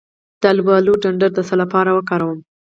د الوبالو ډنډر د څه لپاره وکاروم؟